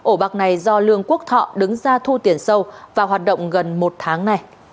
ổ bạc này do lương quốc thọ đứng ra thu tiền sâu và hoạt động gần một tháng nay